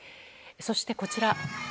そして、こちら。